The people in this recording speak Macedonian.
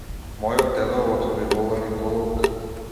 Мојот дедо е оториноларинголог.